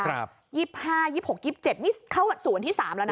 ครับยิบห้ายิบหกยิบเจ็ดนี่เข้าสู่วันที่สามแล้วน่ะ